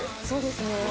そうですね。